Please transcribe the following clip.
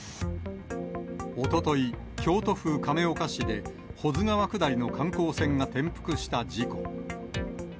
おととい、京都府亀岡市で、保津川下りの観光船が転覆した事故。